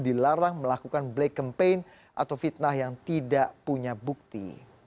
dilarang melakukan black campaign atau fitnah yang tidak punya bukti